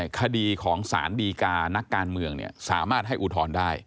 คดีของสารดีการักการเมืองสามารถให้อุทธรณ์ได้